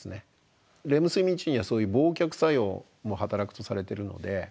レム睡眠中にはそういう忘却作用も働くとされてるので。